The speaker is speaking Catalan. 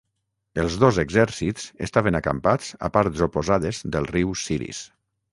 Els dos exèrcits estaven acampats a parts oposades del riu Siris.